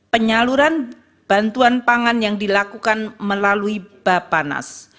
penyaluran bantuan pangan yang dilakukan melalui bapanas